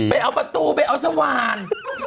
ไปเอาประตูไปเอาสว่าน